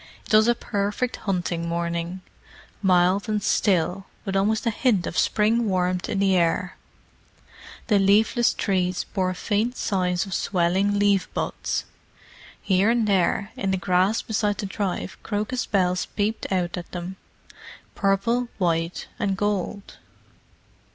It was a perfect hunting morning: mild and still, with almost a hint of spring warmth in the air. The leafless trees bore faint signs of swelling leaf buds. Here and there, in the grass beside the drive crocus bells peeped out at them—purple, white and gold.